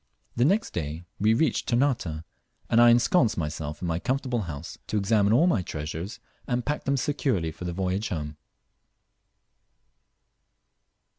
The next day we reached Ternate, and I ensconced myself in my comfortable house, to examine all my treasures, and pack them securely for the voyage home.